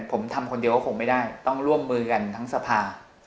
ผมทำคนเดียวก็คงไม่ได้ต้องร่วมมือกันทั้งสภา